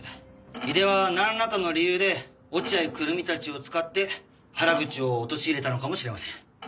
井出はなんらかの理由で落合久瑠実たちを使って原口を陥れたのかもしれません。